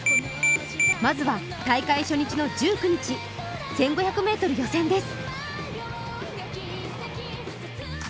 まずは大会初日の１９日、１５００ｍ予選です。